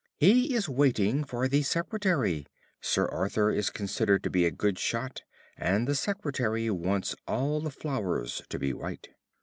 He is waiting for the Secretary. Sir Arthur is considered to be a good shot, and the Secretary wants all the flowers to be white."